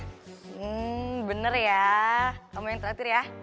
hmm bener ya kamu yang terakhir ya